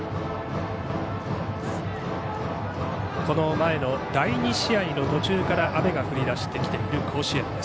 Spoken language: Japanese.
この前の第２試合の途中から雨が降り出してきている甲子園。